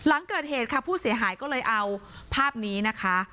หลังเกิดเหตุค่ะผู้เสียหายก็เลยเอาภาพนี้นะคะ